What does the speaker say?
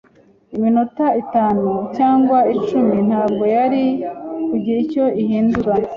Iminota itanu cyangwa icumi ntabwo yari kugira icyo ihindura.